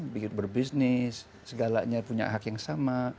bikin berbisnis segalanya punya hak yang sama